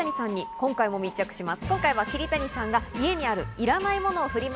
今回は桐谷さんが家にあるいらないものをフリマ